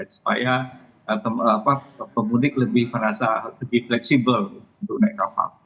supaya pemudik lebih merasa lebih fleksibel untuk naik kapal